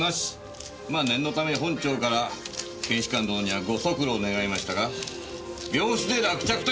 まあ念のため本庁から検視官殿にはご足労願いましたが病死で落着というとこでしょうなぁ。